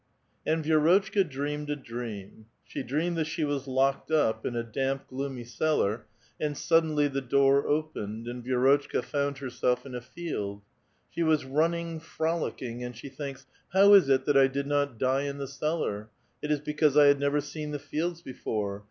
And Vi^rotchka dreamed a' dream. She dreamed that she was locked up in a damp, gloomy cellar, and suddenly the door opened, and Vi6rotehka fouu«l herself in a field. Slie was running, frolicking, and she thinks: "How is it that I did not die in the cellar? It is because I had never seen the fields before